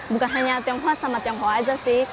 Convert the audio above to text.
bukan hanya tionghoa sama tionghoa saja sih